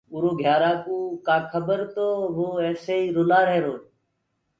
اُرو گھيارآ ڪوُ ڪآ کبر تو وو ايسي ئي رُلآ رهيرو هي۔